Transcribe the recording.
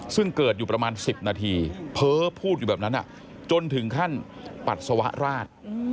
ซึ่งเกิดอยู่ประมาณ๑๐นาทีเพ้อพูดอยู่แบบนั้นจนถึงขั้นปัสสาวะราช